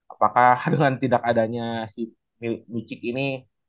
apakah dengan tidak adanya si mucik ini